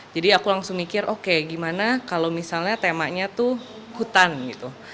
aku langsung mikir oke gimana kalau misalnya temanya tuh hutan gitu